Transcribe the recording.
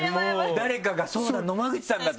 誰かが「そうだ野間口さんだ！」って。